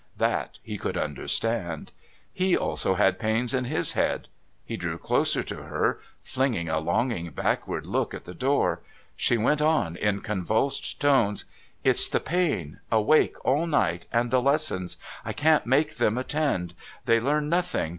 That he could understand. He also had pains in his head. He drew closer to her, flinging a longing backward look at the door. She went on in convulsed tones: "It's the pain awake all night, and the lessons. I can't make them attend; they learn nothing.